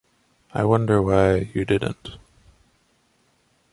I wonder why you didn’t.